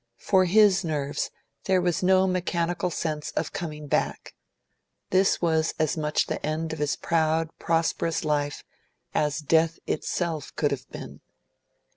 For his nerves there was no mechanical sense of coming back; this was as much the end of his proud, prosperous life as death itself could have been.